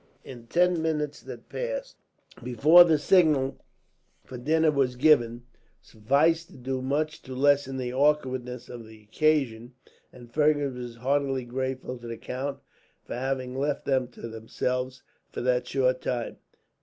The ten minutes that passed, before the signal for dinner was given, sufficed to do much to lessen the awkwardness of the occasion; and Fergus was heartily grateful to the count for having left them to themselves for that short time.